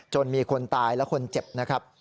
มีคนตายและคนเจ็บนะครับ